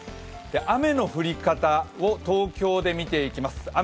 雨の降り方を東京で見ていきます。